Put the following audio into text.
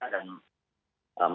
menggunakan perjalanan kami